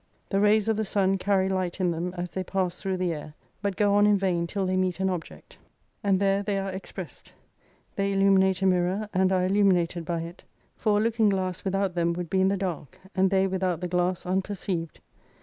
The rays of the sun carry light in them as they pass through the air, but go on in vain till they meet an object : and 133 there they are expressed. They illuminate a mirror, and are illuminated by it. For a looking glass without them would be in the dark, and they without the glass unperceived.